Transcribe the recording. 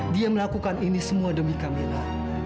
dia melakukan ini semua demi camilan